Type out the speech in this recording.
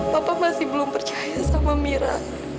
bapak masih belum percaya sama mira